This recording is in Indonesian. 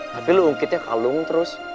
tapi lu ungkitnya kalung terus